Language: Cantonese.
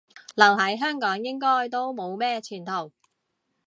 留喺香港應該都冇咩前途